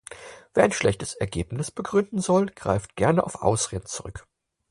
Wer ein schlechtes Ergebnis begründen soll, greift gerne auf Ausreden zurück.